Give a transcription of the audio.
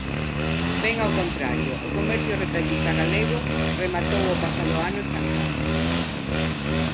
Ben ao contrario, o comercio retallista galego rematou o pasado ano estancado.